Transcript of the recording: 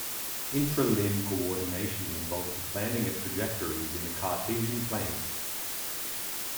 Intra-limb coordination involves the planning of trajectories in the Cartesian planes.